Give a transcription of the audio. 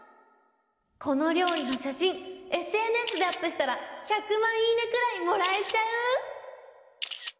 このりょうりのしゃしんＳＮＳでアップしたら１００まん「いいね」くらいもらえちゃう！？